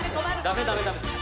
ダメダメダメ。